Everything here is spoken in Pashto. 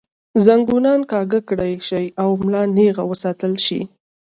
زنګونان کاږۀ کړے شي او ملا نېغه وساتلے شي